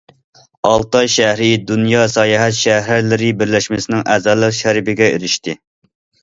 ئالتاي شەھىرى دۇنيا ساياھەت شەھەرلىرى بىرلەشمىسىنىڭ ئەزالىق شەرىپىگە ئېرىشتى.